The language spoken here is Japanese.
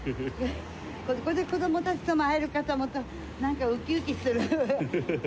ここで子どもたちと会えるかと思うと、なんかうきうきする。